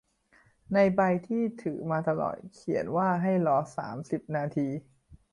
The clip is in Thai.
ในใบที่ถือมาตลอดเขียนว่าให้รอสามสิบนาที